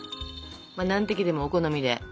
何滴でもお好みで。